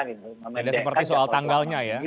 tidak seperti soal tanggalnya ya